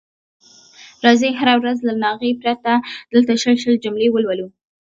راځئ هره ورځ له ناغې پرته دلته شل شل جملې ولولو.